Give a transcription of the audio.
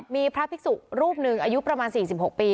มีพระภิกษุรูปหนึ่งอายุประมาณ๔๖ปี